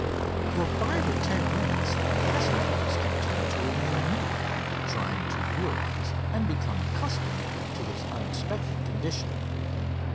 For five or ten minutes the passenger was content to remain mute, trying to realize and become accustomed to his unexpected condition.